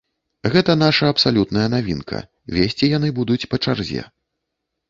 Гэта наша абсалютная навінка, весці яны будуць па чарзе.